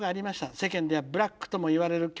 世間ではブラックともいわれる教員生活。